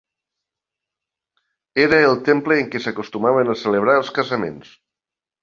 Era el temple en què s'acostumaven a celebrar els casaments.